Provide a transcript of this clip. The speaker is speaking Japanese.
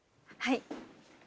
はい。